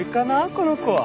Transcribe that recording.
この子は。